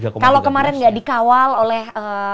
kalau kemarin nggak dikawal oleh